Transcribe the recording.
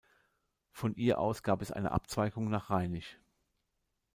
Von ihr aus gab es eine Abzweigung nach Reinig.